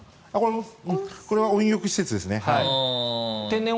これは温浴施設ですね。